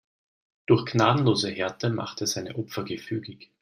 Durch gnadenlose Härte macht er seine Opfer gefügig.